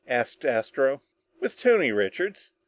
asked Astro. "With Tony Richards."